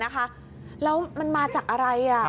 แล้วมันมาจากอะไร